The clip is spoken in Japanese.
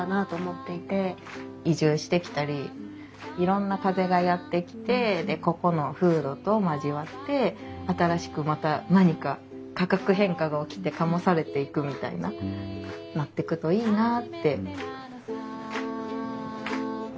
移住してきたりいろんな風がやって来てでここの風土と交わって新しくまた何か化学変化が起きて醸されていくみたいななってくといいなあって。